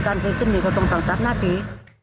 การที่จะมีกระตุงต่างตรับหน้าตี